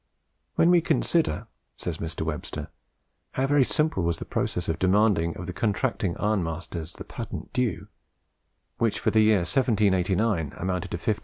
"When we consider," says Mr. Webster, "how very simple was the process of demanding of the contracting ironmasters the patent due (which for the year 1789 amounted to 15,000L.